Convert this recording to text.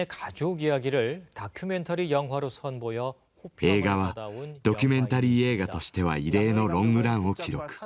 映画はドキュメンタリー映画としては異例のロングランを記録。